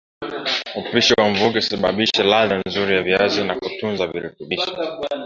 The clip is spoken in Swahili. Upishi wa mvuke husababisha ladha nzuri ya viazi na kutunza virutubisho